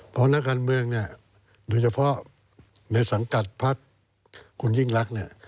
เพราะงานเมืองโดยเฉพาะในสังกัดพัฒน์คุณรุ่งแหละ